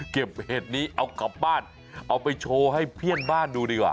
เห็ดนี้เอากลับบ้านเอาไปโชว์ให้เพื่อนบ้านดูดีกว่า